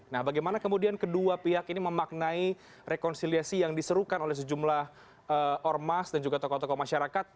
nah bagaimana kemudian kedua pihak ini memaknai rekonsiliasi yang diserukan oleh sejumlah ormas dan juga tokoh tokoh masyarakat